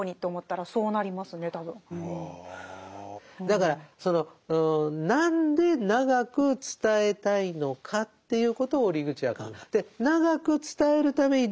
だからその何で長く伝えたいのかということを折口は考える。